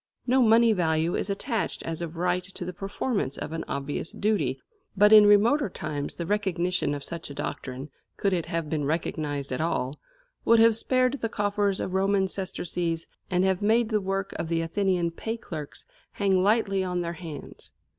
No money value is attached as of right to the performance of an obvious duty, but in remoter times the recognition of such a doctrine, could it have been recognised at all, would have spared the coffers of Roman sesterces and have made the work of the Athenian pay clerks hang lightly on their hands.